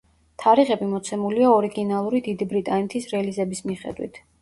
თარიღები მოცემულია ორიგინალური დიდი ბრიტანეთის რელიზების მიხედვით.